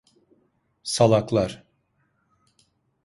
Salaklar!